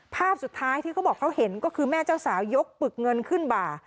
ภาพสุดท้ายที่เขาบอกเขาเห็นก็คือแม่เจ้าสาวยกปึกเงินขึ้นบ่า